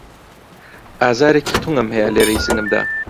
ئازارێکی توندم هەیە لێرەی سنگمدا